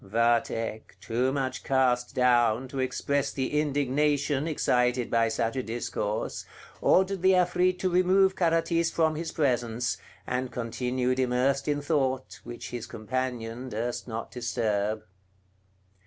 Vathek, too much cast down to express the indignation excited by such a discourse, ordered the Afrit to remove Carathis from his presence, and continued immersed in thought, which his companion durst not disturb.